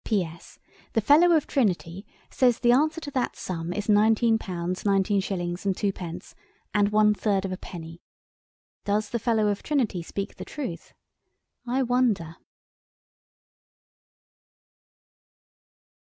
PS.—The Fellow of Trinity says the answer to that sum is nineteen pounds, nineteen shillings and two pence and one third of a penny. Does the Fellow of Trinity speak the truth? I wonder!